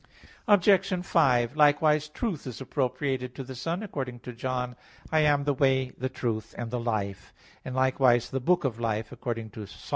Obj. 5: Likewise, Truth is appropriated to the Son, according to John 14:6, "I am the Way, the Truth, and the Life"; and likewise "the book of life," according to Ps.